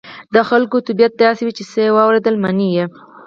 د خلکو طبيعت داسې وي چې څه واورېدل مني.